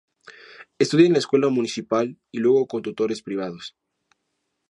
Estudia en la escuela municipal, y luego con tutores privados.